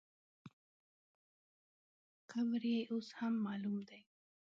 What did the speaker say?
قبر یې اوس هم معلوم دی.